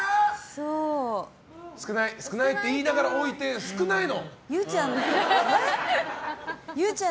少ないって言いながら置いて少ないの。